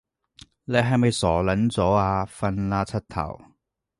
你係咪傻撚咗啊？瞓啦柒頭